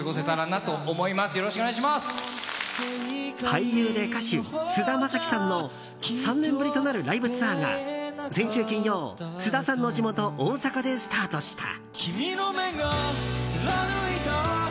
俳優で歌手・菅田将暉さんの３年ぶりとなるライブツアーが先週金曜、菅田さんの地元大阪でスタートした。